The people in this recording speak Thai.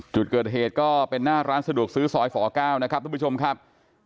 จุดเกิดเหตุก็เป็นหน้าร้านสะดวกซื้อซอยฝ๙นะครับทุกผู้ชมครับ